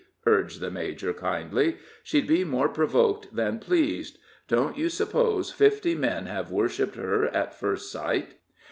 urged the major, kindly. "She'd be more provoked than pleased. Don't you suppose fifty men have worshiped her at first sight?